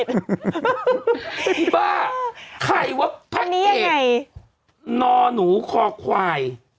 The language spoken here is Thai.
บ้าคล้ายว่าพระเอกน่อนูทอควาย